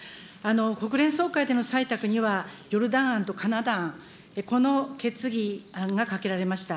国連総会での採択には、ヨルダン案とカナダ案、この決議案がかけられました。